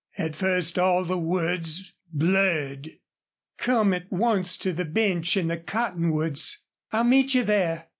At first all the words blurred: "Come at once to the bench in the cottonwoods. I'll meet you there.